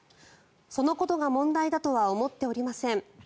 そのことが問題だとは思っておりません。